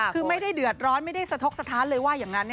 คือไม่ได้เดือดร้อนไม่ได้สะทกสถานเลยว่าอย่างนั้น